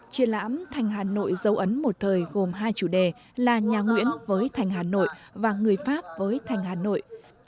triển lãm thành hà nội dấu ấn một thời gồm hai chủ đề là nhà nguyễn với thành hà nội và người pháp với thành hà nội